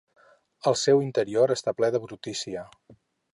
El seu interior està ple de brutícia.